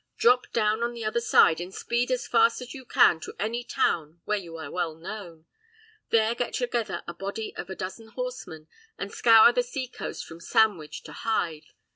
Drop down on the other side, and speed as fast as you can to any town where you are well known, there get together a body of a dozen horsemen, and scour the sea coast from Sandwich to Hythe.